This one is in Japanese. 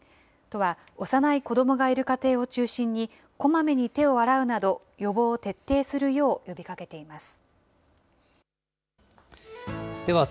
都は、幼い子どもがいる家庭を中心に、こまめに手を洗うなど、予防を徹底するよう呼びかけています。